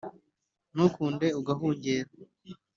ntukunde ugahungera.